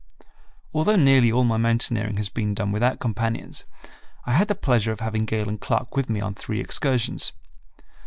Although nearly all my mountaineering has been done without companions, I had the pleasure of having Galen Clark with me on three excursions.